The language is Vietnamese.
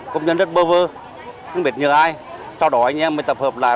công nhân rất bơ vơ không biết nhớ ai sau đó anh em mới tập hợp lại